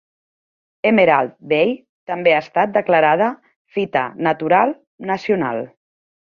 Emerald Bay també ha estat declarada fita natural nacional.